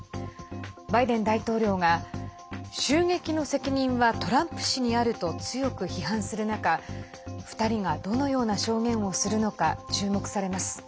バイデン大統領が、襲撃の責任はトランプ氏にあると強く批判する中２人がどのような証言をするのか注目されます。